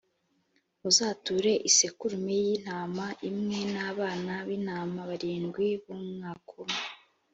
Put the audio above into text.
muzature isekurume y’intama imwe, n’abana b’intama barindwi b’umwaka umwe.